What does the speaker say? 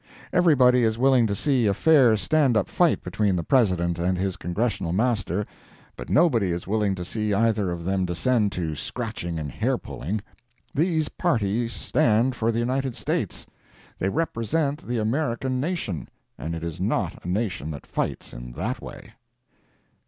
Everybody is willing to see a fair stand up fight between the President and his Congressional master, but nobody is willing to see either of them descend to scratching and hair pulling. These parties stand for the United States. They represent the American nation, and it is not a nation that fights in that way.